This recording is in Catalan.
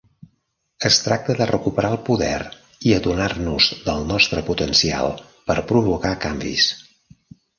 Es tracta de recuperar el poder i adonar-nos del nostre potencial per provocar canvis.